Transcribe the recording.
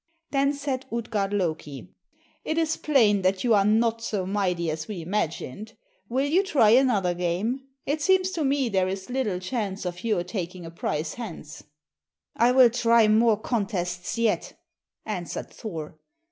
Then said Utgard Loki "It is plain that you are not so mighty as we imagined. Will you try another game? It seems to me there is little chance of your taking a prize hence." "I will try more contests yet," answered Thor.